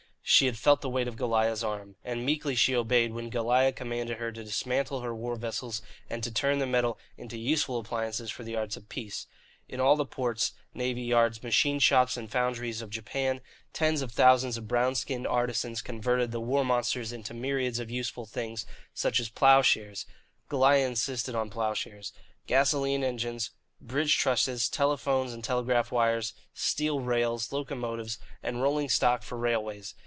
She had felt the weight of Goliah's arm. And meekly she obeyed when Goliah commanded her to dismantle her war vessels and to turn the metal into useful appliances for the arts of peace. In all the ports, navy yards, machine shops, and foundries of Japan tens of thousands of brown skinned artisans converted the war monsters into myriads of useful things, such as ploughshares (Goliah insisted on ploughshares), gasolene engines, bridge trusses, telephone and telegraph wires, steel rails, locomotives, and rolling stock for railways.